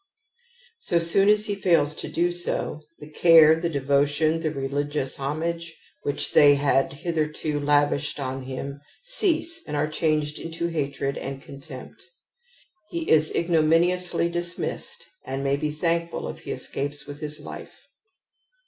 So soon as he fails to do so, the care, the devotion, the religious homage which they had hitherto lavished on him cease and are changed into hatred and con tempt ; he is ignominiously dismissed and may be thankful if he escapes with his life.